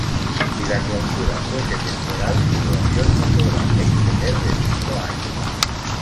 Si la clausura fuese temporal, su duración no podrá exceder de cinco años.